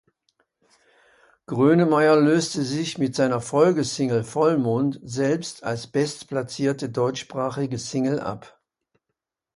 Grönemeyer löste sich mit seiner Folgesingle "Vollmond" selbst als bestplatzierte deutschsprachige Single ab.